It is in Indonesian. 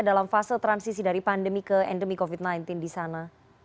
dalam fase transisi dari pandemi ke endemi covid sembilan belas di sana